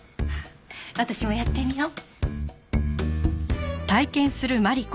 私もやってみよう。